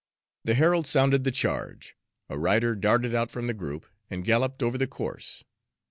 The herald sounded the charge. A rider darted out from the group and galloped over the course.